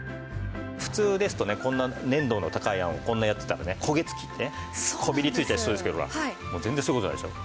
普通ですとねこんな粘度の高いあんをこんなやってたらね焦げつきこびりついたりするんですけど全然そういう事ないでしょ。